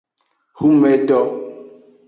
Hunmedo.